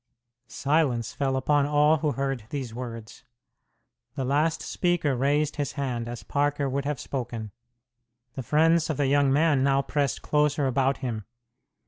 Silence fell upon all who heard these words. The last speaker raised his hand as Parker would have spoken. The friends of the young man now pressed closer about him.